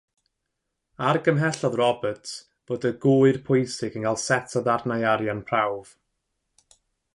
Argymhellodd Roberts fod y gŵyr pwysig yn cael set o ddarnau arian prawf.